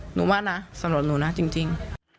หนูว่านะสำหรับหนูนะจริง